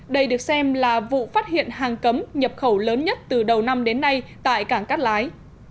đây được xem là vụ phát hiện hàng cấm nhập khẩu lớn nhất từ đầu năm đến nay tại cảng cát lái